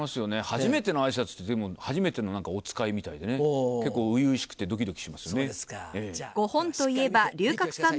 初めてのあいさつってでも『はじめてのおつかい』みたいでね結構初々しくてドキドキしますよね。